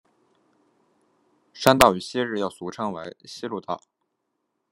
山道于昔日又俗称为希路道。